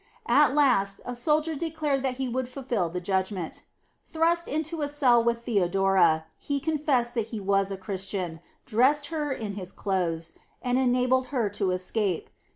At last a soldier declared that he would fulfill the judgment. Thrust into a cell with Theodora, he confessed that he was a Christian, dressed her in his clothes, and enabled her to escape.